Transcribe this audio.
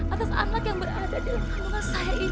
atas anak yang berada di dalam kehamilan saya ini mas